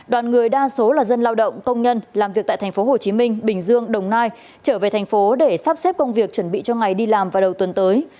đoàn người đa số là dân lao động công nhân làm việc tại tp hcm bình dương đồng nai trở về thành phố để sắp xếp công việc chuẩn bị cho ngày đi làm vào đầu tuần tới